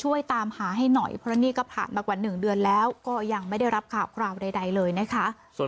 ตามหาให้หน่อยเพราะนี่ก็ผ่านมากว่า๑เดือนแล้วก็ยังไม่ได้รับข่าวคราวใดเลยนะคะ